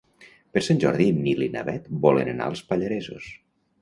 Per Sant Jordi en Nil i na Bet volen anar als Pallaresos.